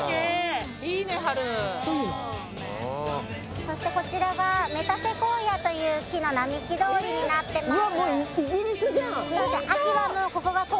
そしてこちらがメタセコイアという木の並木通りになってます。